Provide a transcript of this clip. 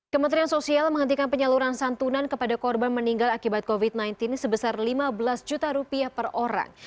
kementerian sosial menghentikan penyaluran santunan kepada korban meninggal akibat covid sembilan belas sebesar lima belas juta rupiah per orang